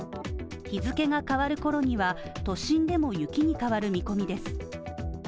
日付が変わるころには都心でも雪に変わる見込みです。